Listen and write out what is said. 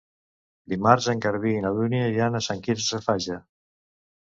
Dimarts en Garbí i na Dúnia iran a Sant Quirze Safaja.